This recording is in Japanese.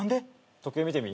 時計見てみ。